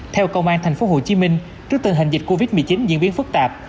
theo công an thành phố hồ chí minh trước tình hình dịch covid một mươi chín diễn biến phức tạp